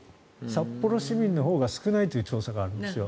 札幌市民のほうが少ないという調査があるんですよ。